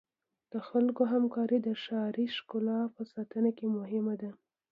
د خلکو همکاري د ښاري ښکلا په ساتنه کې مهمه ده.